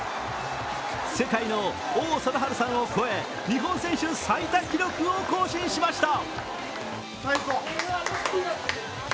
世界の王貞治さんを超え、日本選手最多記録を更新しました。